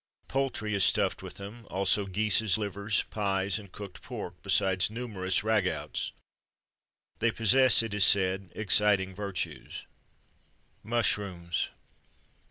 Poultry is stuffed with them, also geese's livers, pies, and cooked pork, besides numerous ragoûts. They possess, it is said, exciting virtues. MUSHROOMS.